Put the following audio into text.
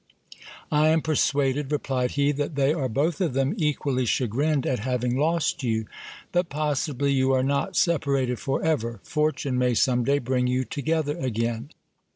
I am persuaded, replied he, that they are both of them equally chagrined at having lost you. But possibly you are not separated for ever ; fortune may some day bring you together again.